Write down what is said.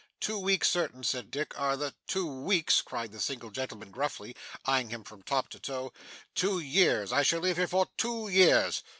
'Two weeks certain,' said Dick, 'are the ' 'Two weeks!' cried the single gentleman gruffly, eyeing him from top to toe. 'Two years. I shall live here for two years.